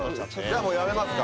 じゃあもうやめますか？